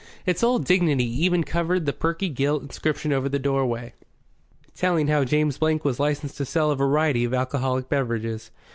Its old dignity even covered the perky gilt inscription over the doorway, telling how James Blake was licensed to sell a variety of alcoholic beverages.